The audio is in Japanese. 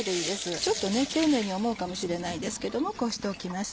ちょっと丁寧に思うかもしれないんですけどもこうしておきます。